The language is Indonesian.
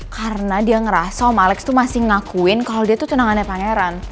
karena dia ngerasa om alex tuh masih ngakuin kalo dia tuh tunangannya pangeran